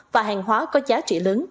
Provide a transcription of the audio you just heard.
và hàng hóa có giá trị lớn